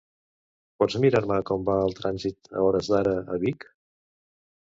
Pots mirar-me com va el trànsit a hores d'ara a Vic?